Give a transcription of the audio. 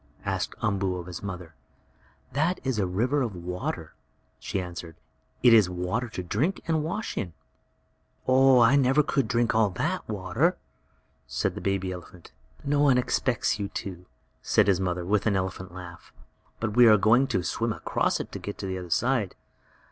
asked Umboo of his mother. "That is a river of water," she answered. "It is water to drink and wash in." "Oh, I never could drink all that water," said the baby elephant. "No one expects you to!" said his mother, with an elephant laugh. "But we are going to swim across it to get on the other side."